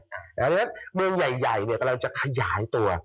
เพราะฉะนั้นเมืองใหญ่กำลังจะขยายตัว